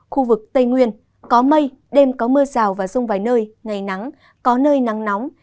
khu vực tây nguyên có mây đêm có mưa rào và rông vài nơi ngày nắng có nơi nắng nóng